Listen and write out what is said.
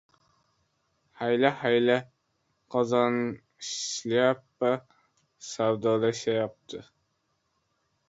— Hayla-hayla, qozonshlyapa savdolashayapti.